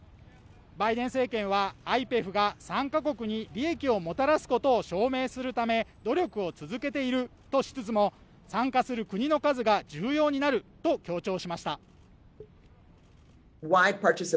バイデン政権はＩＰＥＦが参加国に利益をもらたすことを証明するため努力を続けているとしつつも、参加する国の数が重要になると強調しました。